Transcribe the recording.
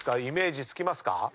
イメージつきますか？